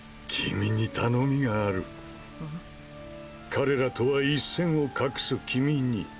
彼らとは一線を画す君に。